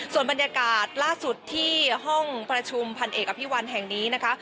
ส่วนบรรยากาศล่าสุดที่ห้องประชุมพันเอกอภิวัลแห่งนี้นะคะ